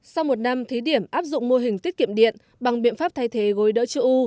sau một năm thí điểm áp dụng mô hình tiết kiệm điện bằng biện pháp thay thế gối đỡ chữ u